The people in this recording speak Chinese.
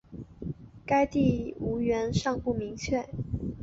该地语源尚不明确。